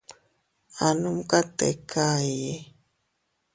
A numka tika ii.